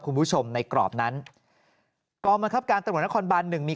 คุณผู้ชมในกรอบนั้นกองบังคับการตำรวจนครบานหนึ่งมี